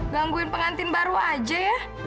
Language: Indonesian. gangguin pengantin baru aja ya